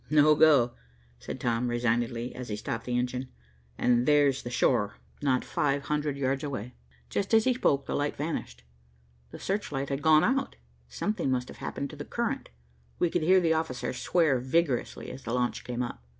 "No go," said Tom resignedly, as he stopped the engine, "and there's the shore not five hundred yards away." Just as he spoke, the light vanished. The searchlight had gone out; something must have happened to the current. We could hear the officer swear vigorously, as the launch came up.